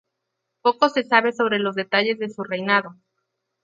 Poco se sabe sobre los detalles de su reinado.